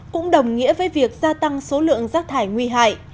cũng đồng nghĩa với việc gia tăng số lượng rác thải nguy hại